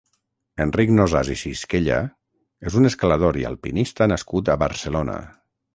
Enric Nosàs i Sisquella és un escalador i alpinista nascut a Barcelona.